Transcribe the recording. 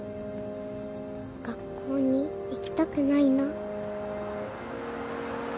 学校に行きたくないな。